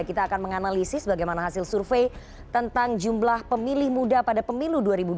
kita akan menganalisis bagaimana hasil survei tentang jumlah pemilih muda pada pemilu dua ribu dua puluh